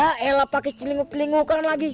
ya elah pake selingkuh selingkuhkan lagi